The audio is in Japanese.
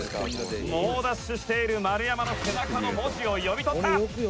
「猛ダッシュしている丸山の背中の文字を読み取った」